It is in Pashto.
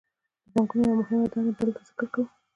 د بانکونو یوه مهمه دنده دلته ذکر کوو